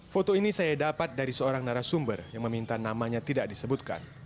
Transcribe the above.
foto ini saya dapat dari seorang narasumber yang meminta namanya tidak disebutkan